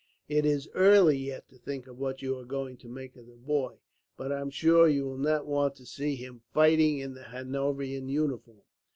"It is early yet to think of what you are going to make of the boy, but I am sure you will not want to see him fighting in the Hanoverian uniform.